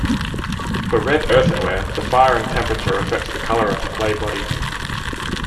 For red earthenware, the firing temperature affects the color of the clay body.